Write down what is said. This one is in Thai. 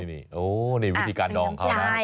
นี่วิธีการดองเขานะ